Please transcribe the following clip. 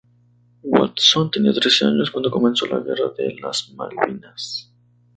Watson tenía trece años cuando comenzó la guerra de las Malvinas.